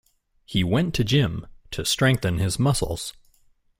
He went to gym to strengthen his muscles.